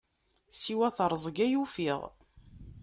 Siwa teṛẓeg ay ufiɣ.